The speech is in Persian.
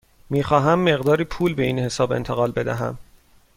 می خواهم مقداری پول به این حساب انتقال بدهم.